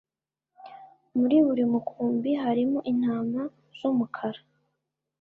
Muri buri mukumbi harimo intama z'umukara.